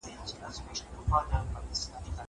زه اوږده وخت زده کړه کوم.